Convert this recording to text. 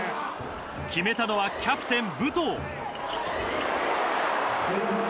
決めたのは、キャプテン武藤！